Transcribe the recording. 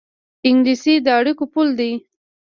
انګلیسي د اړیکو پُل دی